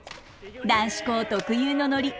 男子校特有のノリ。